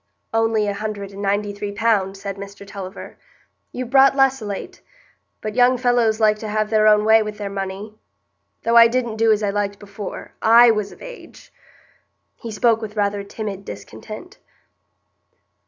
"Only a hundred and ninety three pound," said Mr Tulliver. "You've brought less o' late; but young fellows like to have their own way with their money. Though I didn't do as I liked before I was of age." He spoke with rather timid discontent.